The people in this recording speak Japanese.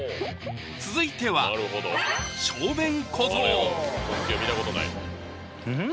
続いてはん？